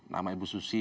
nama ibu susi